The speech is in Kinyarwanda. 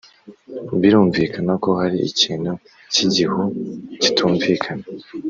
birumvikana ko hari ikintu cy'igihu kitumvikana